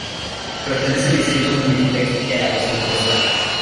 Pertenece al distrito de Jamiltepec y a la región Costa.